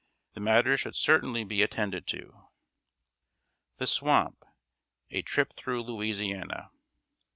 The matter should certainly be attended to. [Sidenote: THE SWAMP A TRIP THROUGH LOUISIANA.